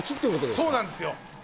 そうなんですよ。